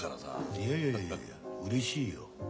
いやいやいやいやいやうれしいよ。